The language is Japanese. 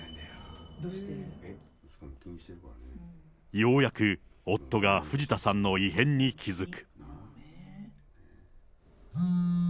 ようやく夫が藤田さんの異変に気付く。